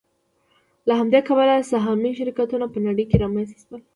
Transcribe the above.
له همدې کبله سهامي شرکتونه په نړۍ کې رامنځته شول